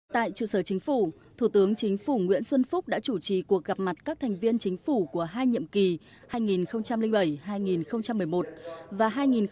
tại trụ sở chính phủ thủ tướng chính phủ nguyễn xuân phúc đã chủ trì cuộc gặp mặt các thành viên chính phủ của hai nhiệm kỳ hai nghìn bảy hai nghìn một mươi một và hai nghìn một mươi một hai nghìn một mươi sáu